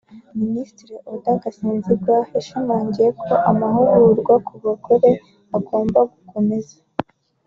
Ministiri Oda Gasinzigwa yashimangiye ko amahugurwa ku bagore agomba gukomeza